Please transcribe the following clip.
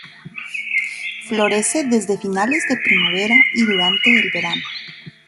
Florece desde finales de primavera y durante el verano.